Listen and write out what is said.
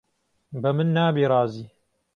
به من نابی رازی